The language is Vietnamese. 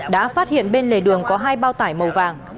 đã phát hiện bên lề đường có hai bao tải màu vàng